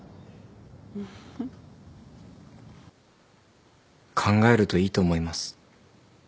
ウフ考えるといいと思います。